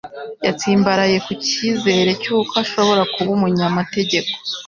Yatsimbaraye ku cyizere cy'uko ashobora kuba umunyamategeko